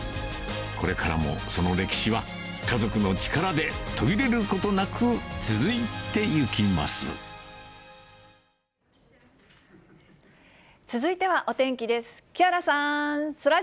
これからもその歴史は、家族の力で途切れることなく続いてゆきます。